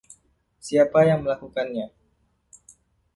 Siapa yang Melakukannya?